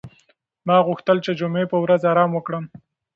ما غوښتل چې د جمعې په ورځ ارام وکړم.